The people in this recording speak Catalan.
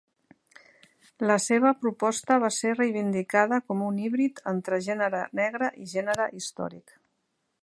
La seva proposta va ser reivindicada com un híbrid entre gènere negre i gènere històric.